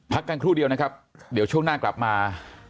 กันครู่เดียวนะครับเดี๋ยวช่วงหน้ากลับมา